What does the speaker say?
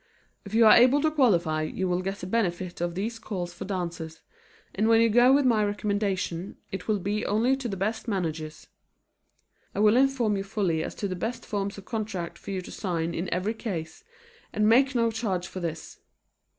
If you are able to qualify, you will get the benefit of these calls for dancers, and when you go with my recommendation, it will be only to the best managers. I will inform you fully as to the best forms of contract for you to sign in every case, and make no charge for this.